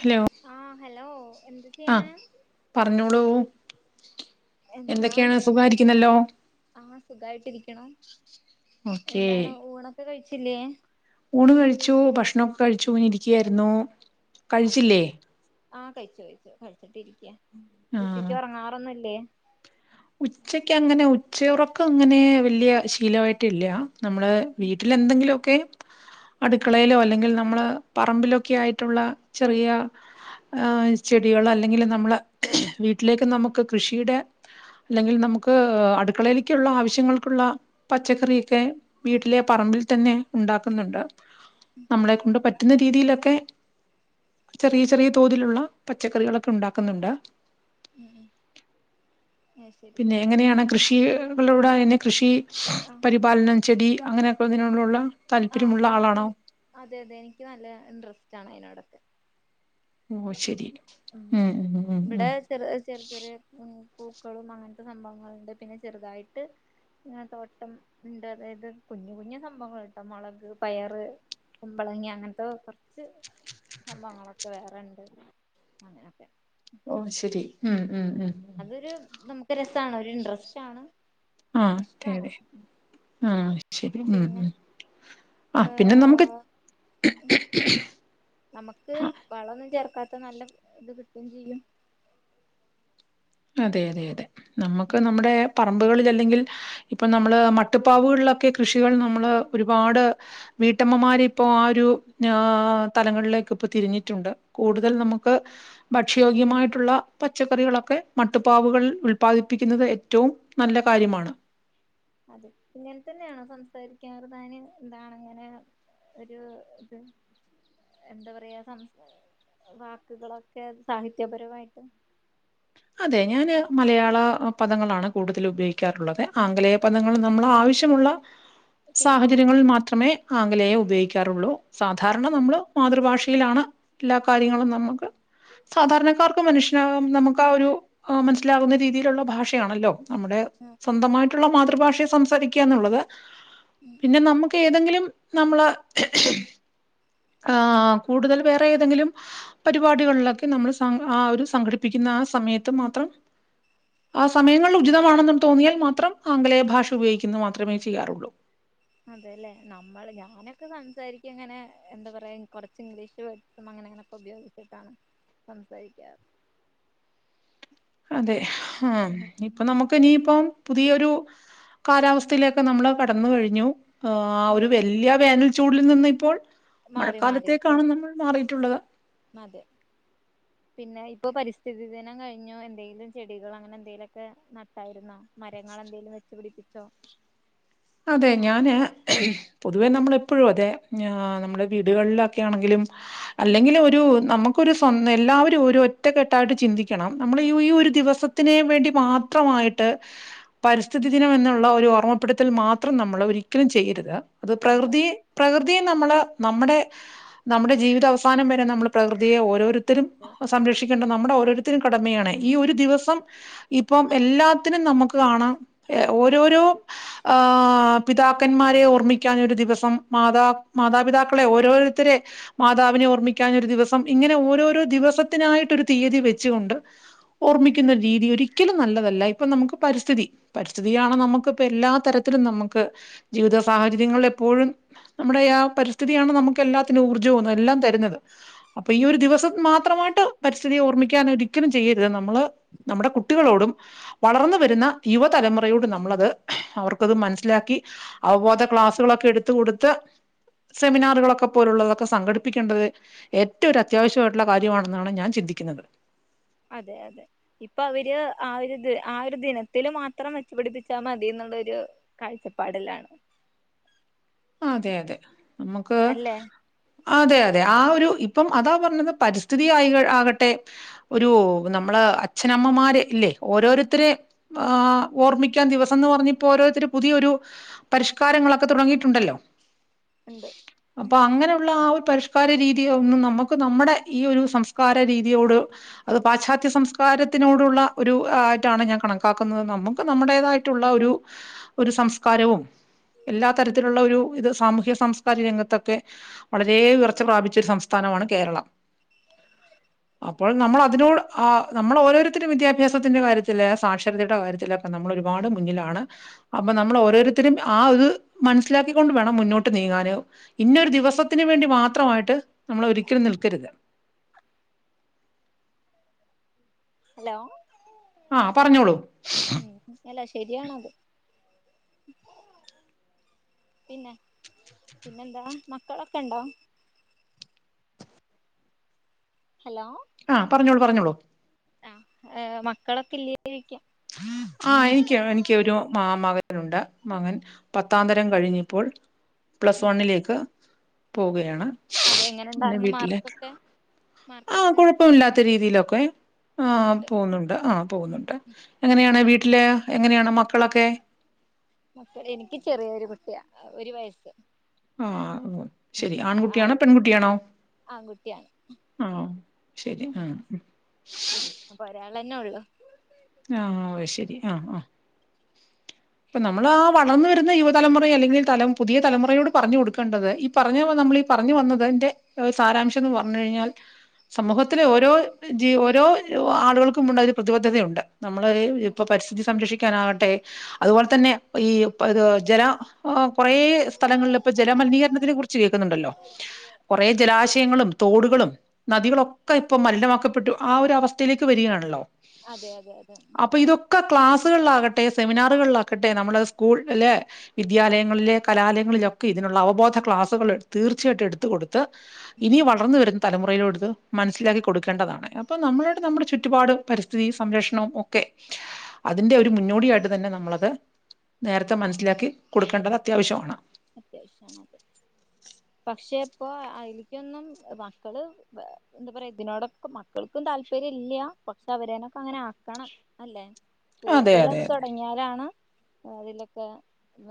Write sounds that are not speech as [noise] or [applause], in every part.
Hello ആഹ് hello എന്ത് ആ ചെയ്യണേ പറഞ്ഞോളൂ എന്താ എന്തൊക്കെയാണ് സുഖായിരിക്കുന്നല്ലോ ആഹ് സുഖായിട്ടിരിക്കണം ഓക്കേ എന്താണ് ഊണൊക്കെ കഴിച് ച്ചില്ല്യേ ഊണ് കഴിച്ചു ഭക്ഷണൊക്കെ കഴിച്ചു ഇരിക്കയായിരുന്നു അതെ കഴിച്ചില്ലേ ആഹ് കഴിച്ചു കഴിച്ചു കഴിച്ചിട്ടിരിക്ക്യ ആഹ് ഉച്ചക്ക് ഉറങ്ങാറൊന്നുല്ലേ ഉച്ചക്ക് അങ്ങനെ ഉച്ച ഉറക്കം അങ്ങനെ വല്യ ശീലവായിട്ടില്ല നമ്മളെ വീട്ടില എന്തെങ്കിലൊ ക്കെ അടുക്കളയിലോ അല്ലെങ്കിൽ നമ്മള് പറമ്പിലൊക്കെ ആയിട്ടുള്ള ചെറിയ ഏ ചെടികൾ അല്ലെങ്കിൽ നമ്മള വീട്ടിലേക്ക് നമുക്ക് കൃഷിയുടെ അല്ലെങ്കിൽ നമുക്ക് അടുക്കളയിലേക്കുള്ള ആവശ്യങ്ങൾക്കുള്ള പച്ചക്കറിയൊക്കെ ഉം വീട്ടിലെ പറമ്പിൽ തന്നെ ഉണ്ടാക്കുന്നുണ്ട് നമ്മളെ കൊണ്ട് പറ്റുന്ന രീതിയിലൊക്കെ ചെറിയ ചെറിയ തോതിലുള്ള പച്ചക്കറികളൊക്കെ ഉണ്ടാക്കുന്നുണ്ട് ഉം അത് ശരി പിന്നെ എങ്ങനെയാണ് പിന്നെ കൃഷികളോട് അയിന് കൃഷി ആഹ് പരിപാലനം ചെടി അങ്ങനെ [unintelligible] നോടുള്ള ആ ആ എനി അതെ അതെ എനിക്ക് നല്ല ഇൻട്രസ്റ്റ് ആണ് അയിനോടൊ ഓ ശരി ഉം ഉം ഉം ഉം ഇബടെ ചെറ് ചെറിയ ചെറിയ ആഹ് പൂക്കളും അങ്ങനത്തെ സംഭവങ്ങളുണ്ട് പിന്നെ ചെറുതായിട്ട് ഇങ്ങനെ തോട്ടം ഇണ്ട് അതായത് കുഞ്ഞു കുഞ്ഞു സംഭവങ്ങള്ട്ടോ മുളക് പയറ് കുമ്പളങ്ങ അങ്ങനത്തെ കുറച്ച് സംഭവങ്ങളൊക്കെ വേറണ്ട് അങ്ങനൊക്കെ ഓ ശരി ഉം ഉം ഉം അതൊരു, നമുക്ക് രസാണ് ഒരു ഇൻട്രസ്റ്റാണ് ആഹ് അതെ അതെ. ആഹ് ശരി ഉം പിന്നെ ഉം ആ പിന്നെ നമുക്ക് ഏഹ് [unintelligible] നമുക്ക് ആ വളൊന്നും ചേർക്കാ നല്ല ഇത് കിട്ടും ചെയ്യും അതെ അതെ അതെ നമ്മക്ക് ഉം നമ്മുടെ പറമ്പുകളിൽ അല്ലെങ്കിൽ ഇപ്പൊ നമ്മള് മട്ടുപ്പാവുകളിലൊക്കെ കൃഷികൾ നമ്മള് ഒരുപാട് വീട്ടമ്മമാരിപ്പോ ആ ഒരു തലങ്ങളിലേക്ക് ഇപ്പോ തിരിഞ്ഞിട്ടുണ്ട് കൂടുതൽ നമുക്ക് ഭക്ഷ്യോഗ്യമായിട്ടുള്ള പച്ചക്കറികളൊക്കെ മട്ടുപ്പാവുകൾ ഉല്പാദിപ്പിക്കുന്നത് ഏറ്റവും നല്ല കാര്യമാണ് അതെ ഇങ്ങനെ തന്നെയാണോ സംസാരിക്ക ചെറുതായതിന് എന്താണിങ്ങനെ ഒരു ഇത്, എന്താപറയാ സം.. വാക്കുകളൊക്കെ സാഹിത്യപരമായിട്ട്. അതെ, ഞാന്‌മലയാള പദങ്ങളാണുകൂടുതൽ ഉപയോഗിക്കാറുള്ളതേ ആംഗലേയപദങ്ങൾ നമ്മൾ ആവശ്യ.. ആവശ്യമുള്ള ടീ സാഹചര്യങ്ങളിൽ മാത്രമേ, ആംഗലേയം ഉപയോഗിക്കൂ ചെറുവളോ അതെ സാധാരണനമ്മളു മാതൃഭാഷയിലാണ് എല്ലാകാര്യങ്ങളും നമുക്ക്, സാധാരണക്കാർക്ക് മനുഷ്യനാകാം നമുക്ക്. ആ, ഒരുമനസ്സിലാവുന്ന രീതിയിലുള്ള ഭാഷയാണല്ലോ ഉം നമ്മുടെസ്വന്തമായിട്ടുള്ള മാതൃ മാതൃഭാഷയിൽ സംസാരിക്കുകയെന്നുള്ളത്. ഉം പിന്നെ, നമുക്കേതെങ്കിലും നമ്മള് ആ.. കൂടുതൽവേറെയേതെങ്കിലും പരിപാടികളിലൊക്കെ നമ്മൾ സം.. ആ, ഒരു സംഘടിപ്പിക്കുന്ന ആ സമയത്തുമാത്രം ആ സമയങ്ങൾ ഉചിതമാണെന്ന് തോന്നിയാൽ മാത്രം ആംഗലേയഭാഷയുപയോഗിക്കുന്നു മാത്രമേചെയ്യാറുള്ളൂ അതേയല്ലേ, നമ്മൾ ഞാനൊക്കെ സംസാരിച്ചിങ്ങനെ എന്താ പറയാ, കൊറച്ച് ഇംഗ്ലീഷ് വേഡ്സും അങ്ങനെ യങ്ങനെയൊക്കെ ഉപയോഗിച്ചിട്ടാണ് സംസാരിക്കാറ് അതെ, ആഹ്.. ഉം ഇപ്പൊ നമുക്കിനിയിപ്പം, പുതിയൊരു ഉം കാലാവസ്ഥയിലൊക്കെ നമ്മുടെ കടന്നുകഴിഞ്ഞു. ആ.. ആയൊരു അതെ വലിയ വേനൽ ചൂടിൽനിന്നിപ്പോൾ മാറി മാറി ഇപ്പൊ മഴക്കാലത്തേക്കാണ് നമ്മൾമാറിയിട്ടുള്ളത്. ഇപ്പൊപരിസ്ഥിതിദിനം കഴിഞ്ഞോ? എന്തെങ്കിലും ചെടികളങ്ങനെ എന്തെങ്കിലുമൊക്കെ നട്ടായിരുന്നോ മരങ്ങളെന്തെങ്കിലും വെച്ചുപിടിപ്പി പിടിപ്പിച്ചോ അതെ, ഞാന്പൊതുവേ നമ്മളെപ്പോഴുമതെ നമ്മുടെ വീടുകളിലൊക്കെയാണെങ്കിലും ഉം അല്ലെങ്കിലൊരു, നമുക്കൊരു ഒന്നെല്ലാവരുമൊരു ഒറ്റക്കെട്ടായിട്ട് ചിന്തിക്കണം. നമ്മുടെ ഈ, ഒരു ദിവസത്തിന് വേണ്ടി മാത്രമായിട്ട് പരിസ്ഥിതിദിനമെന്നുള്ള ഒരു ഓർമ്മപ്പെടു.. ത്തിൽ മാത്രം നമ്മള് ഒരിക്കലും ചെയ്യര്ത്. അത് ചെയ്യാൻ പ്രകൃതി, പാടില്ല. പ്രകൃതിയെ നമ്മള് നമ്മുടെ, നമ്മുടെ ജീവിത അവസാനം വരെ നമ്മൾ പ്രകൃതിയെ ഓരോരു ത്തരും സംരക്ഷിക്കണ്ട നമ്മുടെ ഓരോരുത്തരും കടമയാണ്. ഈ ഒരു ദിവസ ഇപ്പം ഇപ്പം എല്ലാത്തിനും നമുക്ക് കാണാം, ഓരോരോ ആഹ് പിതാക്കന്മാരെ ഓർമ്മിക്കാനൊരു ദിവസം. മാതാ മാതാപിതാക്കളെ ഓരോരുത്തരെ, മാതാവിനെ ഓർമ്മിക്കാനൊരു ദിവസം. ഇങ്ങനെ ഓരോരോ ദിവസത്തിനായിട്ടൊരു തീയതി വെച്ചുകൊണ്ട് ഓർമ്മിക്കുന്ന രീതി, ഒരിക്കലും നല്ലതല്ല. ഇപ്പൊ നമുക്ക് പരിസ്ഥിതി, പരിസ്ഥിതിയാണ് നമുക്കിപ്പോ എല്ലാ തരത്തിലും നമുക്ക് ജീവിത സാഹചര്യങ്ങളിൽ എപ്പോഴും നമ്മുടെ ആ പരിസ്ഥിതിയാണ് നമുക്ക് എല്ലാത്തിനും ഊർജ്ജവും എല്ലാം തരുന്നത്. അപ്പൊ ഈ ഒരു ദിവസം മാത്രമായിട്ട് പരിസ്ഥിതി ഓർമ്മിക്കാൻ ഒരിക്കലും ചെയ്യരുത്. നമ്മള് നമ്മുടെ കുട്ടികളോടും വളർന്ന് വരുന്ന യുവതലമുറയോടും നമ്മളത് അവർ ക്കത് മനസ്സിലാക്കി അവബോധ ക്ലാസ്സുകളൊക്കെ എടുത്ത് കൊടുത്ത് സെമിനാറുകളൊക്കെ പോലുള്ളതൊക്കെ സംഘടിപ്പിക്കേണ്ടത് ഏറ്റവും ഒരു അത്യാവശ്യമായിട്ടുള്ള കാര്യമാണെന്നാണ് ഞാൻ ചിന്തിക്കുന്നത്. അതെ അതെ. ഇപ്പൊ അവര് ആ ഒരു ദ് ആ ഒരു ദിനത്തില് മാത്രം വെച്ചുപിടിപ്പിച്ചാ മതീന്നുള്ളൊരു കാഴ്ചപ്പാടിലാണ്. അതെ അതെ നമ്മക്ക് അല്ലേ അതെ അതെ. ആ ഒരു ഇപ്പം അതാ പറഞ്ഞത് പരിസ്ഥിതി ആയി ആകട്ടെ ഒരു നമ്മള് അച്ഛനമ്മമാര് ഇല്ലേ ഓരോരുത്തരെ ആ ഓർമ്മിക്കാൻ ദിവസംന്ന് പറഞ്ഞിപ്പോ ഓരോരുത്തര് പുതിയൊരു പരിഷ്കാരങ്ങളൊക്കെ തുടങ്ങി ട്ടുണ്ടല്ലോ? ഉണ്ട് അപ്പൊ അങ്ങനെയുള്ള ആ ഒരു പരിഷ് കാര രീതി ഒന്നും നമുക്ക് നമ്മുടെ ഈ ഒരു സംസ്കാര രീതിയോട്, അത് പാശ്ചാത്യ സംസ്കാരത്തിനോടുള്ള ഒരു ആയിട്ടാണ് ഞാൻ കണക്കാക്കുന്നത്. നമുക്ക് നമ്മുടേതായിട്ടുള്ള ഒരു ഒരു സംസ്കാരവും എല്ലാ തരത്തിലുള്ള ഒരു ഇത് സാമൂഹ്യ സാംസ്കാരിക രംഗത്തൊക്കെ വളരേ ഉയർച്ച പ്രാപിച്ച ഒരു സംസ്ഥാനമാണ് കേരളം. അപ്പോൾ നമ്മൾ അതിനോ ആ നമ്മൾ ഓരോരുത്തരും വിദ്യാഭ്യാസത്തിന്റെ കാര്യത്തില് സാക്ഷരതയുടെ കാര്യത്തില് നമ്മൾ ഒരുപാട് മുന്നിലാണ്. അപ്പൊ നമ്മൾ ഓരോരുത്തരും ആ ഇത് മനസ്സിലാക്കിക്കൊണ്ട് വേണം മുന്നോട്ട് നീങ്ങാന്. ഇന്ന ഒരു ദിവസത്തിന് വേണ്ടി മാത്രമായിട്ട് നമ്മൾ ഒരിക്കലും നിൽക്കരുത്. ഹലോ ആ പറഞ്ഞോളൂ ഉം അല്ല ശരിയാണത് പിന്നെ? പിന്നെന്താ? മക്കളൊക്കെ ഉണ്ടോ? ഹലോ ആ പറഞ്ഞോളൂ പറഞ്ഞോളൂ ആ. ഈഹ് മക്കളൊക്കെ ഇല്ലേന്ന് ചോയിക്കാ. ആ എനിക്ക്, എനിക്കൊരു മകനുണ്ട്, മകൻ പത്താന്തരം കഴിഞ്ഞിപ്പോൾ പ്ലസ് വണ്ണിലേക്ക് പോവുകയാണ് അതെ എങ്ങനെ അങ്ങനെ ഉണ്ടായിരുന്നു വീട്ടില്. മാർക്കൊക്കെ ആ മാർക്കൊക്കെ കൊഴപ്പമില്ലാത്ത രീതിയിലൊക് ക്കെ ആ ഉണ്ട് പോന്നുണ്ട് ആ പോവുന്നുണ്ട് ഉം എങ്ങനെയാണ് വീട്ടില്? എങ്ങനെയാണ് മക്കളൊക്കെ? മക്കൾ. എനിക്ക് ചെറിയൊരു കുട്ടിയാ. അഹ് ഒരു വയസ്സ് ആ ഓ ഉം ശരി ആൺകുട്ടിയാണോ പെൺകുട്ടിയാണോ ആൺകുട്ടിയാണ് ആ ശരി ആഹ് എന്നെ ഉള്ളു ആ അയ് ശരി ആഹ് ആഹ് ഇപ്പൊ നമ്മൾ ആ വളർന്നു വരുന്ന യുവതലമുറ അല്ലെങ്കിൽ തല പുതിയ തലമുറയോട് പറഞ്ഞു കൊടുക്കേണ്ടത് ഈ പറഞ്ഞ നമ്മൾ ഈ പറഞ്ഞു വന്നതിന്റെ സാരാംശം എന്ന് പറഞ്ഞു കഴിഞ്ഞാൽ സമൂഹത്തിലെ ഓരോ ജി ഓരോ ആളുകൾക്കും ഉണ്ട് അതിൽ പ്രതിബദ്ധതയുണ്ട് നമ്മള് ഉം ഇപ്പൊ പരിസ്ഥിതി സംരക്ഷിക്കും ക്കാനാവട്ടെ അതുപോലെ തന്നെ ഈ ഇത് ജല കുറേ സ്ഥലങ്ങളിൽ ഇപ്പൊ ജലമലിനീകരണത്തിനെ കുറിച്ച് കേൾക്കുന്നുണ്ടല്ലോ കുറേ ജലാശയങ്ങളും തോടുകളും നദികളൊക്കെ ഇപ്പൊ മലിനമാക്കപ്പെട്ടു ആ ഒരു അവസ്ഥയിലേക്ക് വരികയാണല്ലോ അതേ അതേ അതെ ക്ലാസുകളിലാകട്ടെ സെമിനാർ റുകളിലാകട്ടെ നമ്മുടെ സ്കൂള് ല വിദ്യാലയങ്ങളിലെ കലാലയങ്ങളിലൊക്കെ ഇതിനുള്ള അവബോധ ക്ലാസുകൾ തീർച്ചയായിട്ടും എടുത്ത കൊടുക്ക ത്ത് ഇനി വളർന്ന വരുന്ന തലമുറയിലോടുതു മനസ്സിലാക്കി കൊടുക്കേണ്ടതാണ് അപ്പൊ നമ്മൾടെ നമ്മുടെ ചുറ്റുപാടും പരിസ്ഥിതി സംരക്ഷണവും ഒക്കെ അതിന്റെ ഒരു മുന്നോടിയായിട്ട് തന്നെ നമ്മളത് നേരത്തെ മനസ്സിലാക്കി കൊടുക്കേണ്ടത് അത്യാവശ്യമാണ് അത്യാവശ്യാണ് അത് പക്ഷെ ഇപ്പോ അതിലേക്കൊന്നും മക്കള് എന്താ പറയാ ഇതിനോടൊക്കെ മക്കൾക്കും താല്പര്യം ഇല്ല്യ പക്ഷെ അവരേനൊക്കെ അങ്ങനെ ആക്കണം അല്ലേ അതെ അതെ സ്കൂളുകളിലത് അതെ തുടങ്ങിയാലാണ് അതിലൊക്കെ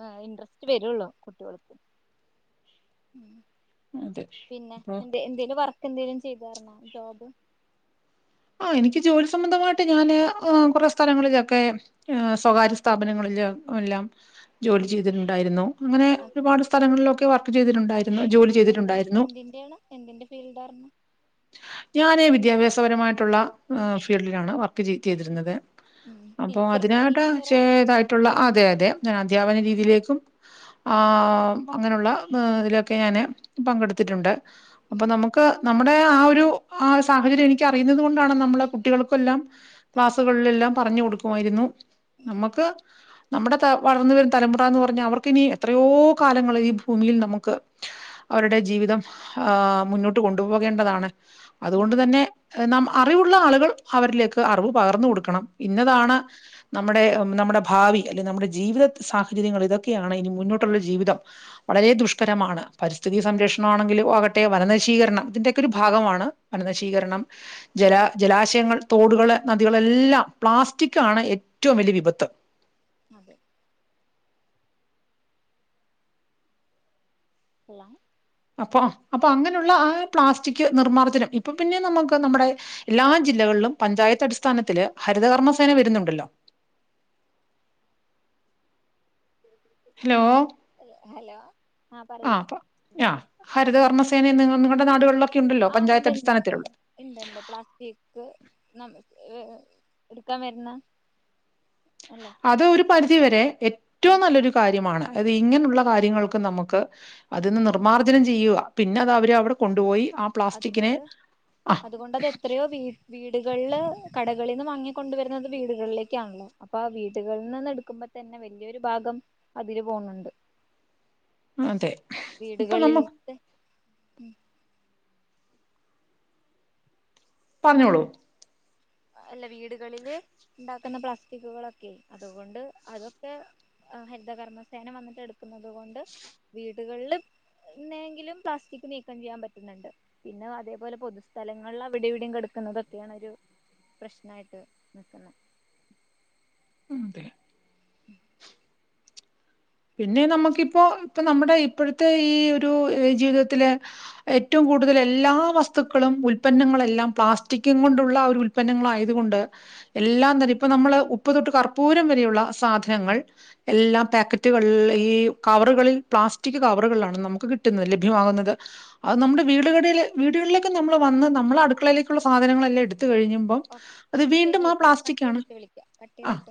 ആഹ് ഇൻട്രസ്റ്റ് വരുള്ളൂ കുട്ടിയോള്ക്ക് ഉം അതെ പിന്നെ അപ്പൊ എന്തെ എന്തേലും പറ എന്തേലും ചെയ്താരുന്നോ ജോബ് ആ എനിക്ക് ജോലി സംബന്ധമായിട്ട് ഞാന് ആഹ് കുറേ സ്ഥലങ്ങളിലൊക്കെ ഏഹ് സ്വകാര്യ സ്ഥാപനങ്ങളില് എല്ലാം ജോലി ചെയ്തിട്ടുണ്ടായിരുന്നു അങ്ങനെ ഒരുപാട് സ്ഥലങ്ങളിലൊക്കെ വർക്ക് വർക്ക് ചെയ്തിട്ടുണ്ടായിരുന്നു ചെയ്ത് ജോലി എന്താ ചെയ്തിട്ടുണ്ടായിരുന്നു എന്തിന്റെയാണ് എന്തിന്റെ ഫീൽഡാർന്നു ഞാന് വിദ്യാഭ്യാസപരമായിട്ടുള്ള ഏഹ് ഫീൽഡിലാണ് വർക്ക് ചെയ് ചെയ്തിരുന്നത് ഉം അപ്പൊ ടീച്ചർ അതിനായിട്ട് ടീച്ചർ ആണ് ചെയതായിട്ടുള്ള അതെ അ തെ ഞാനധ്യാപന രീതിയിലേക്കും ഉം ആഹ് അങ്ങനെയുള്ള ഇതിലൊക്കെ ഞാൻ പങ്കെടുത്തിട്ടുണ്ട്. അപ്പൊ ഉം നമുക്ക് നമ്മ നമ്മടെ ആ ഒരു ആ സാഹചര്യം എനിക്ക് അറിയുന്നത് കൊണ്ടാണ് നമ്മള് കുട്ടികൾക്കെല്ലാം ഉം ക്ലാസ്സുകളിലെല്ലാം പറഞ്ഞു കൊടുക്കുമായിരുന്നു ഉം നമ്മക്ക് നമ്മുടെ ത വളർന്ന വരും തലമുറ എന്ന് പറഞ്ഞാ അവർക്കിനി എത്രയോ കാലങ്ങൾ ഈ ഭൂമിയിൽ നമുക്ക് അവരുടെ ജീവിതം ആ മുന്നോട്ട് കൊണ്ടു പോ പോകേണ്ടതാണ്. അതുകൊണ്ട് അതെ തന്നെ നം അറിവുള്ള ആളുകൾ അവരിലേക്ക് അറിവ് പകർന്നു കൊടുക്കണം. ഇന്നതാണ് അതെ ന നമ്മുടെ നമ്മുടെ ഭാവി അല്ലെ നമ്മുടെ ജീവിത സാഹചര്യങ്ങൾ ഇതൊക്കെയാണ് ഇനി മുന്നോട്ടുള്ള ജീവിതം വളരെ ദുഷ്കരമാണ് പരിസ്ഥിതി സംരക്ഷണം ആണെങ്കിലും ആകട്ടെ വന നശീകരണം ഇതിന്റെയൊക്കയൊരു ഭാഗമാണ് വനനശീകരണം ജല ഉം ജലാശയങ്ങൾ തോടുകള് നദികള് എല്ലാം പ്ലാസ്റ്റിക് ആണ് ഏറ്റവും വലിയ വിപത്ത് അതേ ഉവ്വ- അപ്പൊ അപ്പൊ അങ്ങനെയുള്ള ആ പ്ലാസ്റ്റിക് നിർമ്മാർജ്ജനം ഇപ്പ പിന്നെ നമുക്ക് നമ്മുടെ എല്ലാ ജില്ലകളിലും പഞ്ചായത്ത് അടിസ്ഥാനത്തില് ഹരിതകർമ്മസേന വരുന്നുണ്ടല്ലോ- ഹലോ ഹലോ ആ ആ ഹരിതകർമ്മസേന നി നിങ്ങളുടെ നാടുകള് ആഹ് ണ്ടണ്ട്ണ്ട്ണ്ട് ഇണ്ട്ണ്ട് പ്ലാസ്റ്റിക് ന മ്. ടുക്കാൻ വരുന്ന അല്ലേ അത് ഒരു പരിധി വരെ- ഉം ഏറ്റവും നല്ലൊരു കാര്യമാണ് അത് ഇങ്ങനൂള്ള കാര്യങ്ങൾക്ക് നമുക്ക് അതിന്ന് ഉം നിർമ്മാർജനം ചെയ്യുവാ പിന്നെ അത് അവര്അവിടെ കൊണ്ടുപോയി ആ പ്ലാസ്റ്റിക്കിനെ അതുകൊണ്ട് ആ- അതുകൊണ്ട് അത് എത്രയോ വീ വീടുകളില് കടകളിൽ നിന്ന് വാങ്ങി കൊണ്ട് വരുന്നത് വീടുകളിലേക്കാണല്ലോ അപ്പൊ ആ വീടുകളിൽ നിന്ന് എടുക്കുമ്പോ തന്നെ വലിയൊരു ഭാഗം അതില് പോകുന്നുണ്ട് അതെ ഇപ്പൊ നമ്മ വീടുകളിൽത്തെ ഉം പറഞ്ഞോളൂ അല്ല വീടുകളില് ഉണ്ടാക്കുന്ന പ്ലാസ്റ്റിക്കുകളൊക്കെ അതുകൊണ്ട് അതൊക്കെ ഹരിതകർമ്മസേന വന്നിട്ട് എടുക്കുന്നുന്നത് കൊണ്ട് വീടുകളിൽ എന്നെങ്കിലും പ്ലാസ്റ്റിക് നീക്കം ചെയ്യാൻ പറ്റുന്നുണ്ട് പിന്നെ അതേപോലെ പൊതുസ്ഥലങ്ങളിൽ അവിടെ ഇവിടെയും കെടുക്കുന്നതൊക്കെയാണൊരു പ്രശ്നായിട്ട് നിക്കുന്ന ഉം തെ ഉം പിന്നെ നമുക്കിപ്പോ ഇപ്പൊ നമ്മുടെ ഇപ്പോഴത്തെ ഈ ഒരു ജീവിതത്തിലെ ഏറ്റവും കൂടുതൽ എല്ലാ വസ്തുക്കളും ഉൽപന്നങ്ങളെല്ലാം പ്ലാസ്റ്റിക്കും കൊണ്ടുള്ള ഒരു ഉൽപന്നങ്ങള ആയത് കൊണ്ട് എല്ലാം തന്നെ ഇപ്പ നമ്മള് ഉപ്പ് തൊട്ട് കർപ്പൂരം വരെയുള്ള സാധനങ്ങൾ എല്ലാം പാക്കറ്റ് റ്റു വെള്ള ഈ കവറുകളിൽ പ്ലാസ്റ്റിക് കവറുകളാണ് നമുക്ക് കിട്ടുന്നത് ലഭ്യമാകുന്നത് അത് അതെ നമ്മുടെ വീടുകടി ൽ വീടുകളിലേക്ക് നമ്മ വന്ന് നമ്മുടെ അടുക്കളയിലേക്കുള്ള സാധനങ്ങളെല്ലാം എടു എത്ത കഴിഞ്ഞുമ്പം ഓക്കെ അത് ശരി വീണ്ടും ആ കേട്ടോ കട്ട് പ്ലാസ്റ്റിക് ആണ് ചെയ്തിട്ട് വിളിക്കാം കട്ട് ആ ചെയ്തിട്ട്